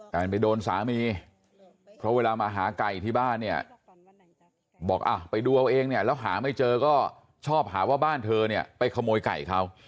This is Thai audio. แต่มันไปโดนสามีเพราะเวลามาหาไก่ที่บ้านเนี่ยบอกไปดูเอาเองเนี่ยแล้วหาไม่เจอก็ชอบหาว่าบ้านเธอเนี่ยไปขโมยไก่เขา